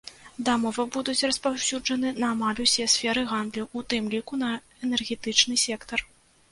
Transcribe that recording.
Дамовы будуць распаўсюджаны на амаль усе сферы гандлю, у тым ліку на энергетычны сектар.